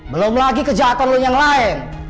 belum lagi kejahatan lo yang lain